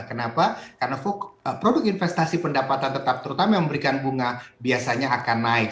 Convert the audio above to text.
kenapa karena produk investasi pendapatan tetap terutama yang memberikan bunga biasanya akan naik